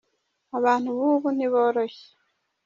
Abantu bubu btiboroshye.